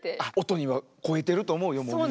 音には肥えてると思うよもう耳。